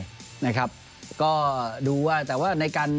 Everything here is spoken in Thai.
ก็ดูมายังว่าแต่ว่าในการ